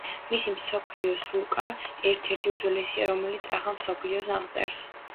მისი მსოფლიოს რუკა ერთ-ერთი უძველესია რომელიც ახალ მსოფლიოს აღწერს.